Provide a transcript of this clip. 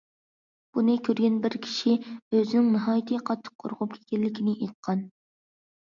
بۇنى كۆرگەن بىر كىشى ئۆزىنىڭ ناھايىتى قاتتىق قورقۇپ كەتكەنلىكىنى ئېيتقان.